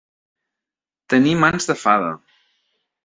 Tenir mans de fada.